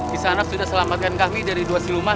bisaanak sudah selamatkan kami dari dua siluman